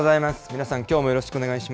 皆さん、きょうもよろしくお願い